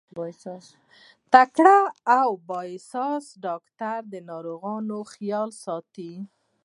تکړه او با احساسه ډاکټر د ناروغ خيال ساتي.